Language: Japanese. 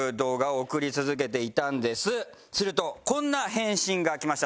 するとこんな返信が来ました。